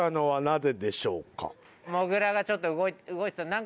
もぐらがちょっと動いてた。